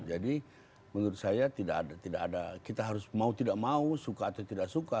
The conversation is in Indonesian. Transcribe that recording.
jadi menurut saya tidak ada tidak ada kita harus mau tidak mau suka atau tidak suka